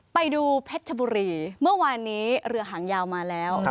ไปดูเพชรชบุรีเมื่อวานนี้เรือหางยาวมาแล้ว